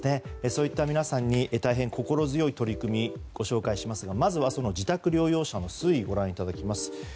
そういった皆さんに大変心強い取り組みをご紹介しますがまずは自宅療養者の推移をご覧いただきます。